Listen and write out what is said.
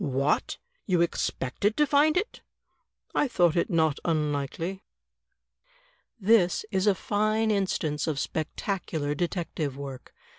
"What! you expected to find it?" "I thought it not imlikely." This is a fine instance of spectacular detective work.